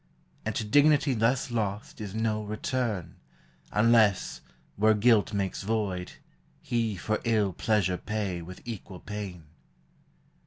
And to dignity thus lost Is no return; unless, where guilt makes void, He for ill pleasure pay with equal pain.